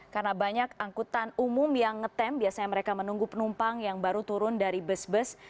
karena banyak angkutan umum yang ngetem biasanya mereka menunggu penumpang yang baru turun dari bus bus